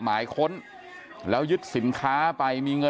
โลกไว้แล้วพี่ไข่โลกไว้แล้วพี่ไข่